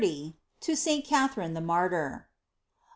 TO SAINT CATHERINE THE MARTYR.